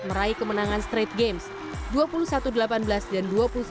meraih kemenangan straight games dua puluh satu delapan belas dan dua puluh satu sembilan belas